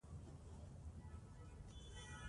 بدخشان د افغانستان په طبیعت کې مهم رول لري.